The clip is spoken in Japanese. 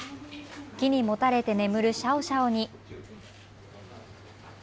木にもたれて眠るシャオシャオに。